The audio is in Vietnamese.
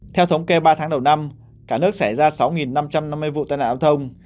theo thống kê ba tháng đầu năm cả nước xảy ra sáu năm trăm năm mươi vụ tai nạn áo thông